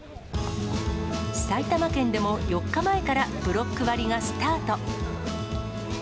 埼玉県でも４日前からブロック割がスタート。